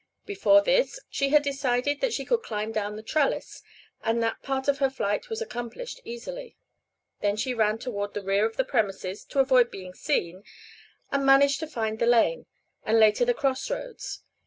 Before this she had decided that she could climb down the trellis, and that part of her flight she accomplished easily. Then she ran toward the rear of the premises to avoid being seen and managed to find the lane, and later the cross roads.